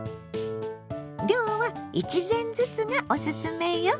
量は１膳ずつがおすすめよ。